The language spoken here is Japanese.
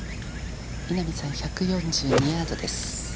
稲見さん、１４２ヤードです。